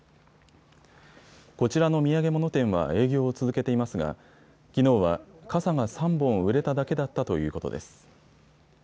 こちらの土産物店は営業を続けていますがきのうは傘が３本売れただけだったということです。